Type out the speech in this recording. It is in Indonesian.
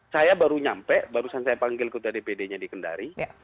saya baru nyampe barusan saya panggil kota dpd nya di kendari